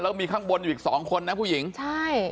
แล้วก็มีข้างบนอยู่อีกสองคนนะผู้หญิงใช่